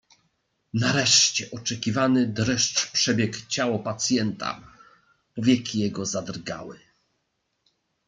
"Nareszcie oczekiwany dreszcz przebiegł ciało pacjenta, powieki jego zadrgały."